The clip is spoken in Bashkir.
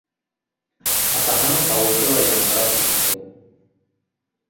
Атаһының тауышы ла яңғырап китте.